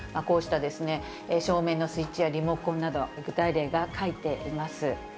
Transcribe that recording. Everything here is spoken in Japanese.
こうした照明のスイッチやリモコンなど、具体例が書いてあります。